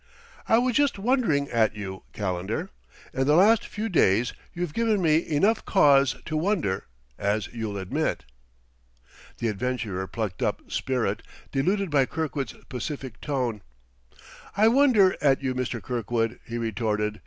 "I was just wondering at you, Calendar. In the last few days you've given me enough cause to wonder, as you'll admit." The adventurer plucked up spirit, deluded by Kirkwood's pacific tone. "I wonder at you, Mr. Kirkwood," he retorted.